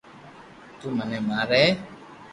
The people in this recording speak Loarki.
تو مني ماري